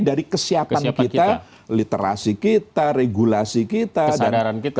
dari kesiapan kita literasi kita regulasi kita dan kita